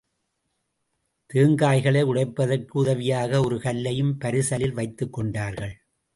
தேங்காய்களை உடைப்பதற்கு உதவியாக ஒரு கல்லையும் பரிசலில் வைத்துக்கொண்டார்கள்.